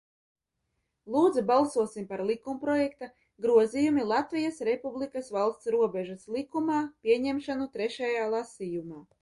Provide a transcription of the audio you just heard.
"Lūdzu, balsosim par likumprojekta "Grozījumi Latvijas Republikas valsts robežas likumā" pieņemšanu trešajā lasījumā."